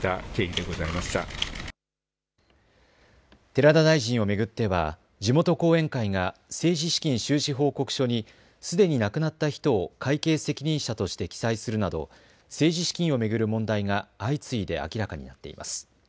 寺田大臣を巡っては地元後援会が政治資金収支報告書にすでに亡くなった人を会計責任者として記載するなど政治資金を巡る問題が相次いで明らかになっています。